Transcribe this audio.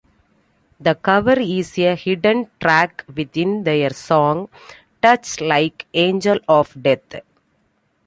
The cover is a hidden track within their song "Touch Like Angel of Death".